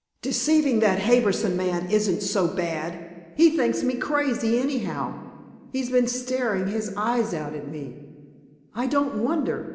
Deceiving that Harbison man isn't so bad he thinks me crazy, anyhow. He's been staring his eyes out at me " "I don't wonder.